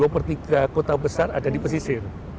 dua per tiga kota besar ada di pesisir